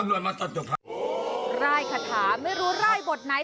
ไล่คาถาไม่รู้ไล่บทไหน